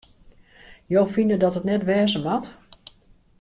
Jo fine dat it net wêze moat?